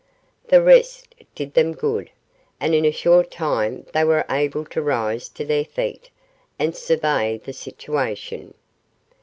The rest did them good, and in a short time they were able to rise to their feet and survey the situation.